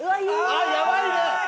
あっやばい！